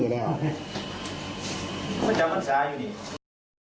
อาจารย์มันช้าอยู่นี่